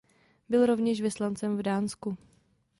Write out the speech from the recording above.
Byl rovněž vyslancem v Dánsku.